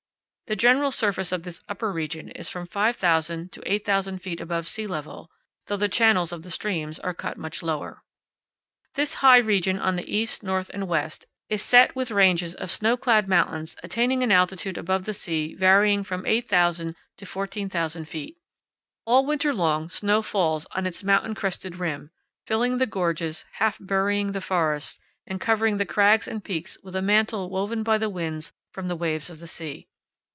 The general surface of this upper region is from 5,000 to 8,000 feet above sea level, though the channels of the streams are cut much lower. THE VALLEY OF THE COLORADO. 29 This high region, on the east, north, and west, is set with ranges of snow clad mountains attaining an altitude above the sea varying from 8,000 to 14,000 feet. All winter long snow falls on its mountain crested rim, filling the gorges, half burying the forests, and covering the crags and peaks with a mantle woven by the winds from the waves of the sea.